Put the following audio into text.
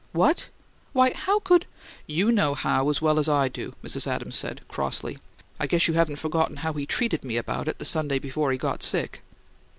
"What! Why, how could " "You know how as well as I do," Mrs. Adams said, crossly. "I guess you haven't forgotten how he treated me about it the Sunday before he got sick."